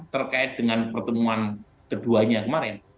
terkait dengan pertemuan keduanya kemarin